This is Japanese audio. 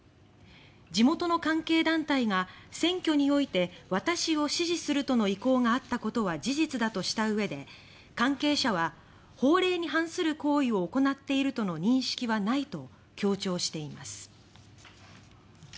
「地元の関係団体が選挙において私を支持するとの意向があったことは事実だ」としたうえで関係者は「法令に反する行為を行っているとの認識はない」と強調しています。